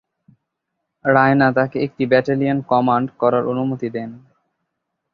রায়না তাকে একটি battalion command করার অনুমতি দেন।